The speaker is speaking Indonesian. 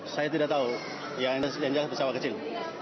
saya tidak tahu yang jelas pesawat kecil